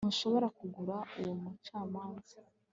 ntushobora kugura uwo mucamanza